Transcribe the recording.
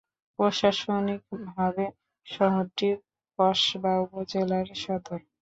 প্রশাসনিকভাবে শহরটি কসবা উপজেলার সদর।